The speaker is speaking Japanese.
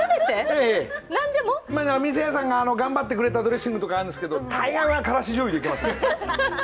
お店屋さんが頑張ってくれたドレッシングとかあるんですけど大半はからしじょうゆでいきますね。